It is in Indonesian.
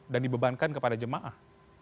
dan dibebankan kepada jemaah